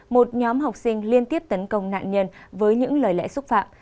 một nhóm học sinh liên tiếp tấn công nạn nhân với những lời lẽ xúc phạm